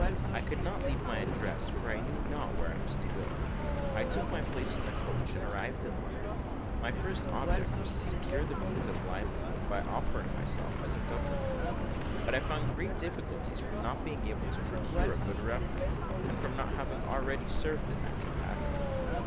I could not leave my address, for I knew not where I was to go. I took my place in the coach, and arrived in London. My first object was to secure the means of livelihood, by offering myself as a governess; but I found great difficulties from not being able to procure a good reference, and from not having already served in that capacity.